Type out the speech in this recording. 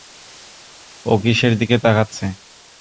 ও কীসের দিকে তাকাচ্ছে?